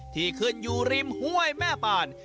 ที่ขึ้นอยู่ริมห้วยแม่ปาน